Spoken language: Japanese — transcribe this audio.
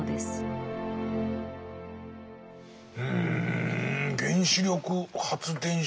うん原子力発電所。